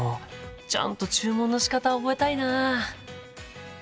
ちゃんと注文のしかた覚えたいな。